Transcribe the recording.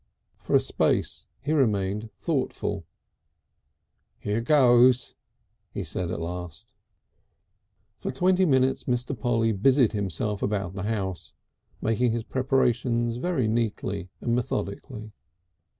For a space he remained thoughtful. "Here goes!" he said at last. II For twenty minutes Mr. Polly busied himself about the house, making his preparations very neatly and methodically.